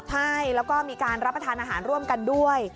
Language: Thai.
ใช่แล้วก็มีการรับประทานอาหารร่วมกันด้วย